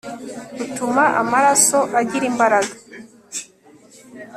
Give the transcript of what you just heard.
utuma amaraso agira imbaraga